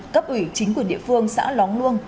cấp ủy chính quyền địa phương xã lóng luông